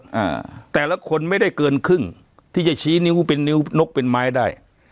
อ่าแต่ละคนไม่ได้เกินครึ่งที่จะชี้นิ้วเป็นนิ้วนกเป็นไม้ได้